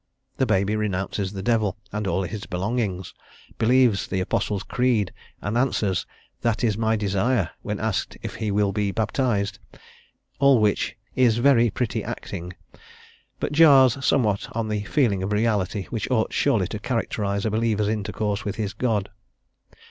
The baby renounces the devil and all his belongings, believes the Apostles' Creed, and answers "that is my desire," when asked if he will be baptized; all which "is very pretty acting," but jars somewhat on the feeling of reality which ought surely to characterize a believer's intercourse with his God.